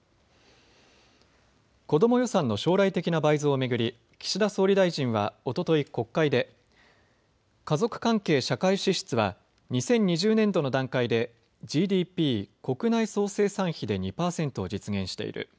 子ども予算の将来的な倍増を巡り岸田総理大臣はおととい国会で家族関係社会支出は２０２０年度の段階でＧＤＰ・国内総生産比で２％を実現している。